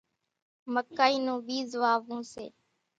مڪئِي نون ٻيز واوون سي۔